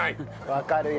わかるよ。